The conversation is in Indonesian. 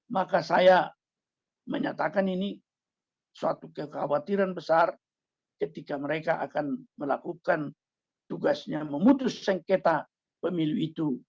maka saya menyatakan ini suatu kekhawatiran besar ketika mereka akan melakukan tugasnya memutus sengketa pemilu itu